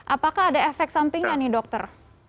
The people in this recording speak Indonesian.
apakah ada efek sampingnya nih dokter